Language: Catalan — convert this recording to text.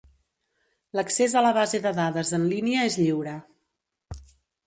L'accés a la base de dades en línia és lliure.